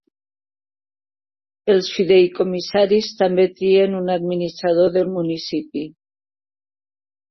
Els fideïcomissaris també trien un administrador del municipi.